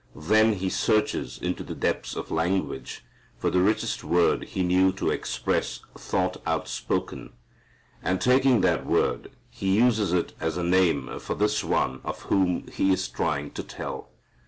Then he searches into the depths of language for the richest word he knew to express thought outspoken. And taking that word he uses it as a name for this One of whom he is trying to tell.